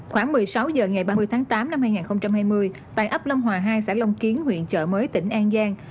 khoảng một mươi sáu h ngày ba mươi tháng tám năm hai nghìn hai mươi tại ấp long hòa hai xã long kiến huyện chợ mới tỉnh an giang